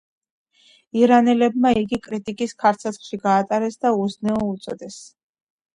ირანელებმა იგი კრიტიკის ქარ-ცეცხლში გაატარეს და „უზნეო“ უწოდეს.